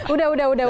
udah udah udah